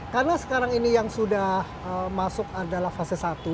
karena sekarang ini yang sudah masuk adalah fase satu